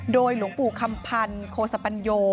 โดยหลวงปู่คำพันธ์โคสปัญโย